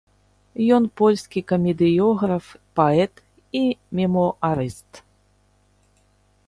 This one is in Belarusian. Ён польскі камедыёграф, паэт і мемуарыст.